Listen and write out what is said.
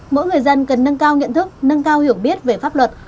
mỗi người dân cần nâng cao nhận thức nâng cao hiểu biết về pháp luật